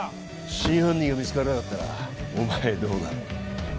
真犯人が見つからなかったらお前どうなる？